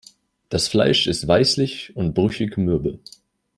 Das Fleisch ist weißlich und brüchig-mürbe.